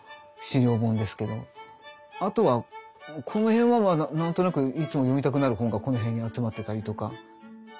あとはこの辺は何となくいつも読みたくなる本がこの辺に集まってたりとか。